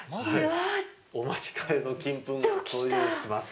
お待ちかねの金粉が登場します。